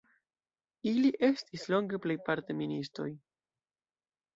Ili estis longe plejparte ministoj.